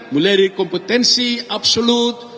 mulai dari kompetensi absolut